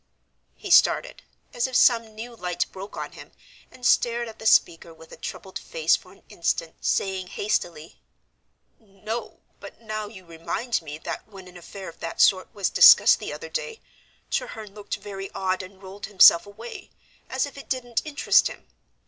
He started, as if some new light broke on him, and stared at the speaker with a troubled face for an instant, saying hastily, "No, but now you remind me that when an affair of that sort was discussed the other day Treherne looked very odd, and rolled himself away, as if it didn't interest him.